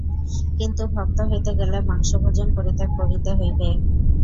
কিন্তু ভক্ত হইতে গেলে মাংসভোজন পরিত্যাগ করিতে হইবে।